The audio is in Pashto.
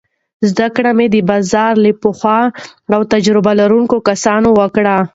زده کړه مې د بازار له پخو او تجربه لرونکو کسانو وکړه.